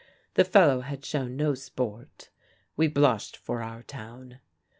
The fellow had shown no sport. We blushed for our town.